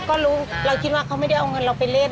ก็รู้เราคิดว่าเขาไม่ได้เอาเงินเราไปเล่น